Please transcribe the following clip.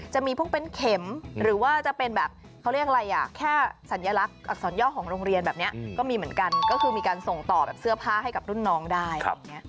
จะมีพวกเป็นเข็มหรือว่าจะเป็นแบบเขาเรียกอะไรอ่ะแค่สัญลักษณ์อักษรย่อของโรงเรียนแบบนี้ก็มีเหมือนกันก็คือมีการส่งต่อแบบเสื้อผ้าให้กับรุ่นน้องได้อย่างนี้